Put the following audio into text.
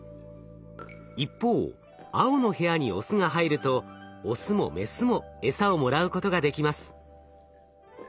一方青の部屋にオスが入るとオスもメスもエサをもらうことができます。